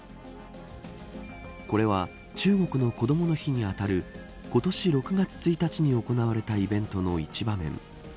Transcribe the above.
これは中国のこどもの日に当たる今年６月１日に行われたイベントの一場面。